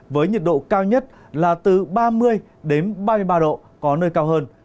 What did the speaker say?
với nhiệt độ cao nhất là từ ba mươi ba mươi ba độ có nơi cao hơn